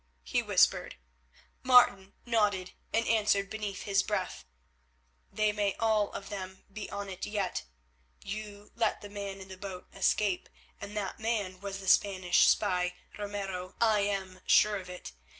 he whispered. Martin nodded, and answered beneath his breath, "They may all of them be on it yet. You let the man in the boat escape, and that man was the Spanish spy, Ramiro; I am sure of it.